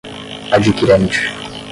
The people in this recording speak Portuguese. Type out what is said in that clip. adquirente